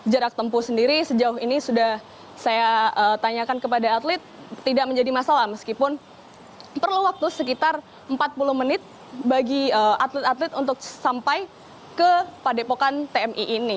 jarak tempuh sendiri sejauh ini sudah saya tanyakan kepada atlet tidak menjadi masalah meskipun perlu waktu sekitar empat puluh menit bagi atlet atlet untuk sampai ke padepokan tmi ini